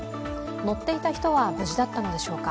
乗っていた人は無事だったのでしょうか。